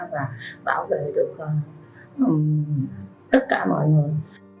và bảo vệ được tất cả mọi người